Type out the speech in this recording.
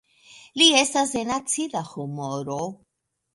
Li estas en acida humoro.